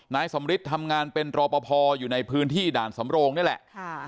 นายสำริททำงานเป็นรอปภอยู่ในพื้นที่ด่านสำโรงนี่แหละ